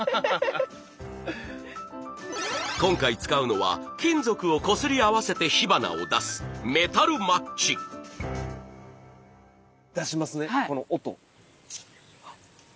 今回使うのは金属をこすり合わせて火花を出す出しますね。